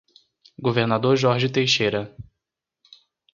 Governador Jorge Teixeira